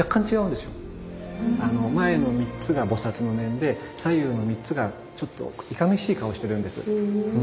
前の３つが菩の面で左右の３つがちょっといかめしい顔をしてるんです。